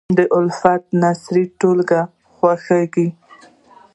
د الفت نثرونه د ټولو خوښېږي.